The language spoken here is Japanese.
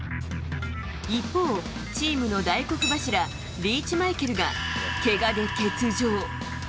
一方、チームの大黒柱リーチマイケルがけがで欠場。